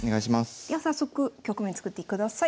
では早速局面作ってください。